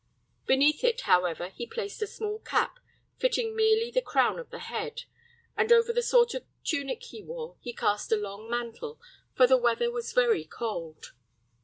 Beneath it, however, he placed a small cap, fitting merely the crown of the head, and over the sort of tunic he wore he cast a long mantle, for the weather was very cold.